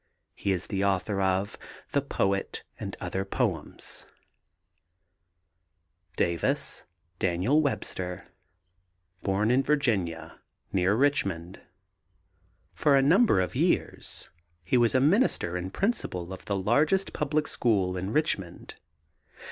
He is the author of The Poet and Other Poems. DAVIS, DANIEL WEBSTER. Born in Virginia, near Richmond. For a number of years he was a minister and principal of the largest public school in Richmond.